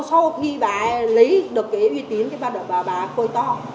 sau khi bà lấy được cái uy tín thì bà côi to